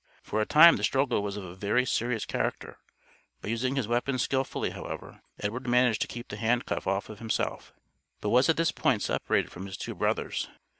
For a time the struggle was of a very serious character; by using his weapons skillfully, however, Edward managed to keep the hand cuff off of himself, but was at this point separated from his two brothers.